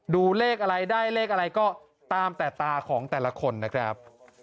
ดูเลขอะไรได้เลขอะไรก็ตามแต่ตาของแต่ละคนนะครับ